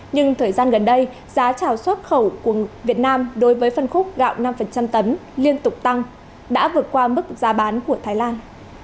nhưng thời gian gần đây giá trào xuất khẩu của việt nam đối với phân khúc gạo năm tấm liên tục tăng đã vượt qua mức giá bán của thái lan